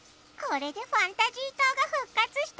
これでファンタジー島が復活したぽよ。